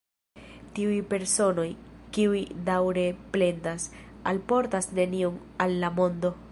Tiuj personoj, kiuj daŭre plendas, alportas nenion al la mondo.